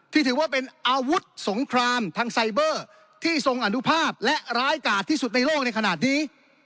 ถือว่าเป็นอาวุธสงครามทางไซเบอร์ที่ทรงอนุภาพและร้ายกาดที่สุดในโลกในขณะนี้